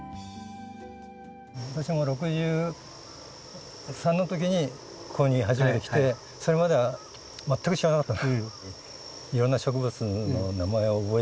私も６３のときにここに初めて来てそれまでは全く知らなかった。